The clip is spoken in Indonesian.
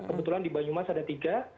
kebetulan di banyumas ada tiga